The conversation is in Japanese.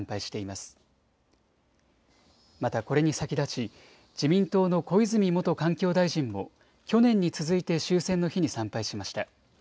また、これに先立ち自民党の小泉元環境大臣も去年に続いて終戦の日に参拝しました。